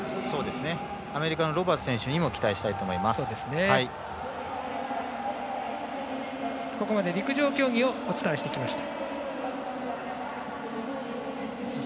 アメリカのロバーツ選手にも期待したいとここまで陸上競技をお伝えしてきました。